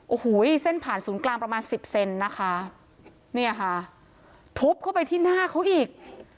โอ้โหเส้นผ่านศูนย์กลางประมาณสิบเซนนะคะเนี่ยค่ะทุบเข้าไปที่หน้าเขาอีก